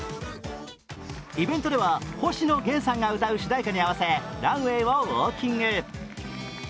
イベントでは、星野源さんが歌う主題歌に合わせランウェイをウオーキング。